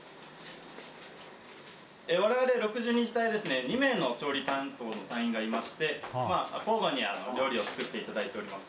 我々６２次隊ですね２名の調理担当の隊員がいまして交互に料理を作って頂いております。